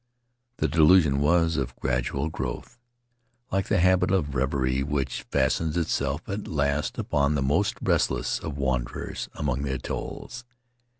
The delusion was of gradual growth, like the habit of reverie which fastens itself at last upon the most restless of wanderers among the atolls.